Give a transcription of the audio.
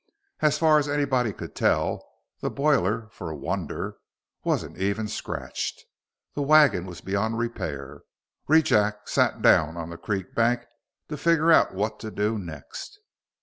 As far as anybody could tell, the boiler, for a wonder, wasn't even scratched. The wagon was beyond repair. Rejack sat down on the creek bank to figure out what to do next.